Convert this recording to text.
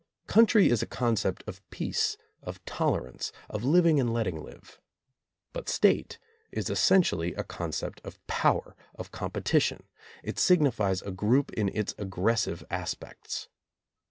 Country is a concept of peace, of tolerance, of liv ing and letting live. But State is essentially a concept of power, of competition; it signifies a group in its aggressive aspects.